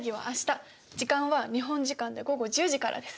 時間は日本時間で午後１０時からです。